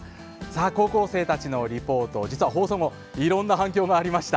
高校生たちのリポート実は放送後にいろんな反響がありました。